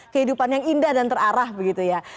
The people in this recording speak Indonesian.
kehidupan yang indah dan terarah begitu ya